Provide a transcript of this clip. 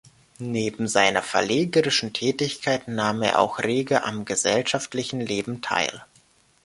Neben seiner verlegerischen Tätigkeit nahm er auch rege am gesellschaftlichen Leben teil.